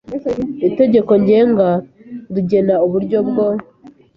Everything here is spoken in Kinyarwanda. Itegeko Ngenga rigena uburyo bwo